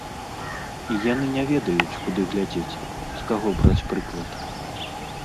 І яны не ведаюць, куды глядзець, з каго браць прыклад.